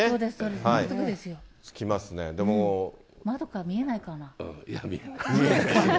窓から見えないかな。